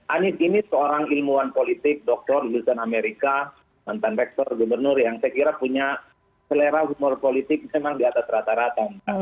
anies ini seorang ilmuwan politik doktor lulusan amerika mantan rektor gubernur yang saya kira punya selera humor politik memang di atas rata rata